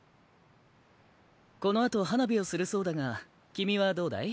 このあと花火をするそうだが君はどうだい？